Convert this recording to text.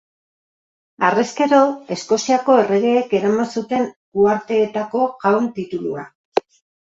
Harrezkero, Eskoziako erregeek eraman zuten Uharteetako Jaun titulua.